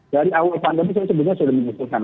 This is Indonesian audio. dari awal pandemi saya sebutnya sudah menyusulkan